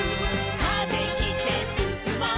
「風切ってすすもう」